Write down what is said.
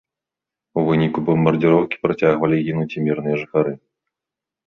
У выніку бамбардзіроўкі працягвалі гінуць і мірныя жыхары.